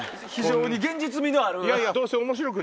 非常に現実味のある。